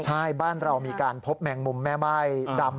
ใช่บ้านเรามีการพบแมงมุมแม่ม่ายดำ